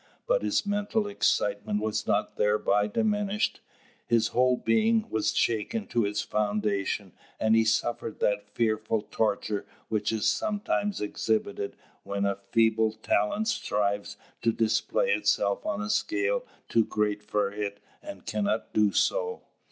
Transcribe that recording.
But his mental excitement was not thereby diminished. His whole being was shaken to its foundation; and he suffered that fearful torture which is sometimes exhibited when a feeble talent strives to display itself on a scale too great for it and cannot do so.